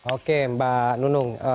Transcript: oke mbak nunung